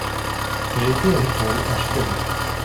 J’ai été à l’école à Chicago.